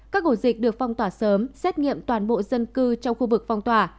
các ổ dịch được phong tỏa sớm xét nghiệm toàn bộ dân cư trong khu vực phong tỏa